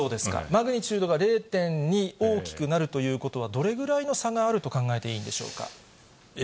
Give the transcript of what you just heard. マグニチュードが０．２大きくなるということは、どれぐらいの差があると考えていいんでしょうか。